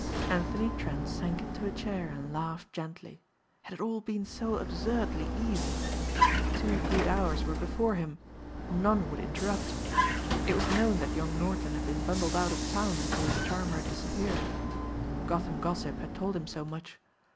Anthony Trent sank into a chair and laughed gently. It had all been so absurdly easy. Two good hours were before him. None would interrupt. It was known that young Norton had been bundled out of town until his charmer had disappeared. Gotham Gossip had told him so much.